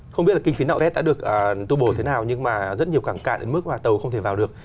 không biết là kinh phí nạo vét đã được tu bổ thế nào nhưng mà rất nhiều cảng cạn đến mức và tàu không thể vào được